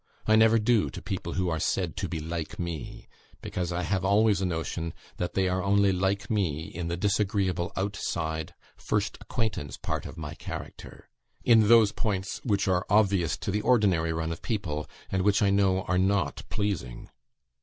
I never do to people who are said to be like me, because I have always a notion that they are only like me in the disagreeable, outside, first acquaintance part of my character; in those points which are obvious to the ordinary run of people, and which I know are not pleasing.